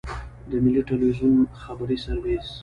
د ملي ټلویزیون خبري سرویس.